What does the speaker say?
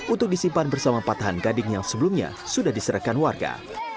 untuk disimpan bersama patahan gading yang sebelumnya sudah diserahkan warga